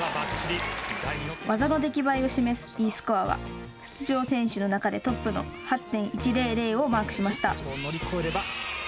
技の出来栄えを示すＥスコアは出場選手の中でトップの８．１００をマークしました。